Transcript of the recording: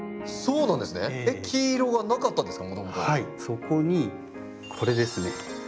そこにこれですね。